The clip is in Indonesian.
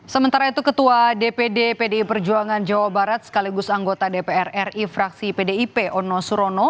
sementara itu ketua dpd pdi perjuangan jawa barat sekaligus anggota dpr ri fraksi pdip ono surono